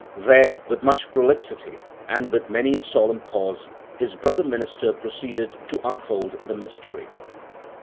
There, with much prolixity, and with many a solemn pause, his brother minister proceeded to "unfold the mystery."